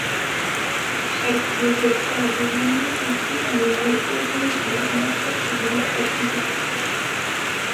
Chaque médiasphère désigne ainsi un milieu autant qu'une armature technique et symbolique.